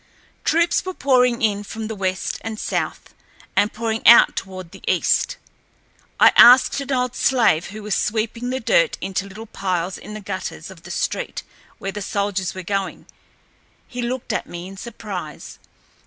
Troops were pouring in from the west and south, and pouring out toward the east. I asked an old slave who was sweeping the dirt into little piles in the gutters of the street where the soldiers were going. He looked at me in surprise.